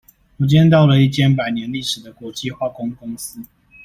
我今天到了一間百年歷史的國際化工公司